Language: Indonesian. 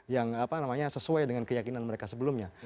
yang sesuai dengan keyakinan mereka sebelumnya